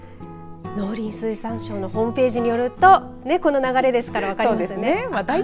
農林水産省のホームページによるとこの流れですから分かりますよね。